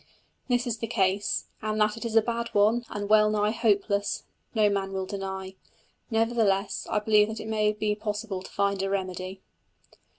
This is the case, and that it is a bad one, and well nigh hopeless, no man will deny. Nevertheless, I believe that it may be possible to find a remedy.